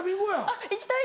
あっ行きたいです！